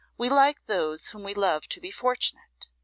We like those whom we love to be fortunate.